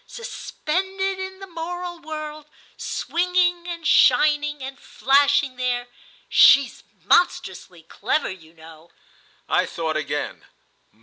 "Suspended in the moral world—swinging and shining and flashing there. She's monstrously clever, you know." I thought again.